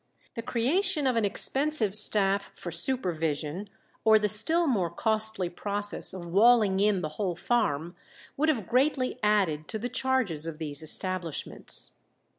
The creation of an expensive staff for supervision, or the still more costly process of walling in the whole farm, would have greatly added to the charges of these establishments.